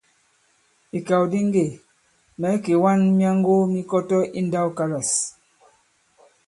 Ìkàw di ŋgê mɛ̌ kèwaŋ myaŋgo mi Kɔtɔ i ǹndãwkalâs.